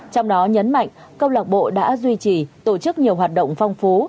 trong đó nhấn mạnh câu lạc bộ đã duy trì tổ chức nhiều hoạt động phong phú